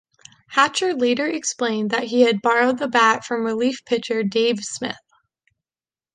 Hatcher later explained that he had borrowed the bat from relief pitcher Dave Smith.